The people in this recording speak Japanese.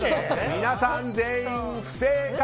皆さん全員不正解！